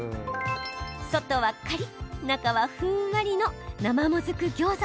外はカリッ、中はふんわりの生もずくギョーザ